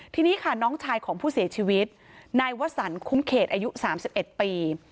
ทีนี้ค่ะน้องชายของผู้เสียชีวิตนายวสันคุ้มเขตอายุ๓๑ปี